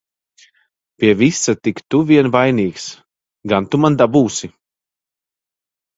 Pie visa tik tu vien vainīgs! Gan tu man dabūsi!